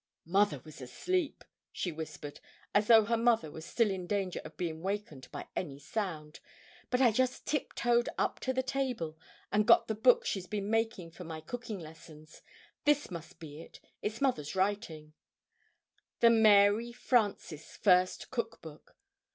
] "Mother was asleep," she whispered as though her mother was still in danger of being wakened by any sound "but I just tip toed up to the table, and got the book she's been making for my cooking lessons. This must be it it's Mother's writing: 'The Mary Frances' First Cook Book.'